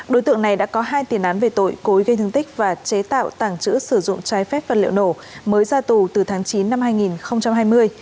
đối tượng này đã có hai tiền án về tội cối gây thương tích và chế tạo tàng trữ sử dụng trái phép vật liệu nổ mới ra tù từ tháng chín năm hai nghìn hai mươi